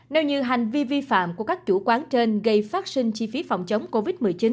nếu như hành vi vi phạm của các chủ quán trên gây phát sinh chi phí phòng chống covid một mươi chín